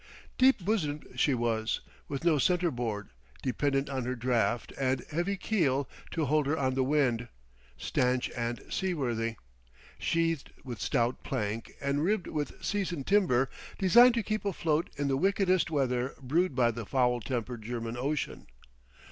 Deep bosomed she was, with no center board, dependent on her draught and heavy keel to hold her on the wind; stanch and seaworthy, sheathed with stout plank and ribbed with seasoned timber, designed to keep afloat in the wickedest weather brewed by the foul tempered German Ocean.